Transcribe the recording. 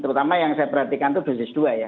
terutama yang saya perhatikan itu dosis dua ya